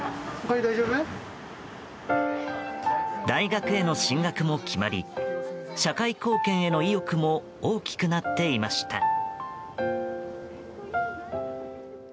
大学への進学も決まり社会貢献への意欲も大きくなっていました。